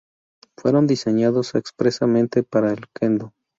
Fueron diseñados expresamente para el kendo.